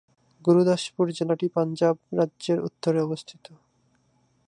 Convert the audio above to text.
গুরুদাসপুর জেলাটি পাঞ্জাব রাজ্যের উত্তরে অবস্থিত।